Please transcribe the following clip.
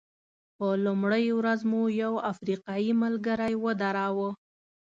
په لومړۍ ورځ مو یو افریقایي ملګری ودراوه.